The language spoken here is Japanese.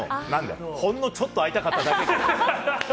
ほんのちょっと会いたかっただけかよ。